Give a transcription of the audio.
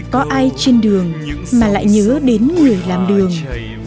có ai trên đường mà lại nhớ đến người làm đường